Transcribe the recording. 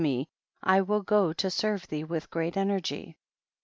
e I will go to serve thee with great energy.